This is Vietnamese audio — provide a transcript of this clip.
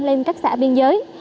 lên các xã biên giới